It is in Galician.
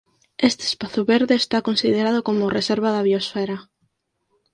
Este espazo verde está considerado como Reserva da Biosfera.